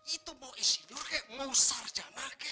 itu mau isinur eh mau sarjana